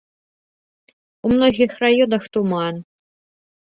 У многіх раёнах туман.